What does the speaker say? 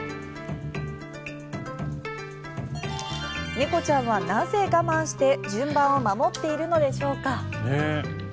猫ちゃんはなぜ我慢して順番を守っているのでしょうか。